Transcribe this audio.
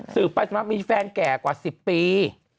สืบไปสมัครมีแฟนแก่กว่า๑๐ปี